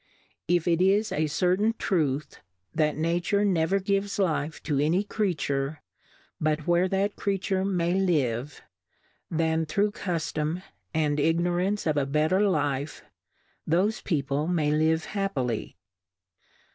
If it is a certain Truth, that Nature never gives Life to any Creature, but where that Crea ture may live ; then thro^ Cuftom, and Ignorance of a better Life, thofe Peo ple may live happily.